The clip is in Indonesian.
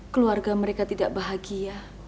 keluarga mereka tidak bahagia